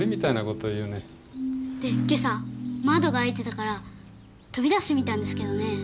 で今朝窓が開いてたから飛び出してみたんですけどね。